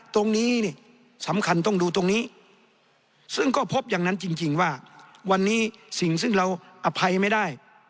เพราะฉะนั้นจริงว่าวันนี้สิ่งซึ่งเราอภัยไม่ได้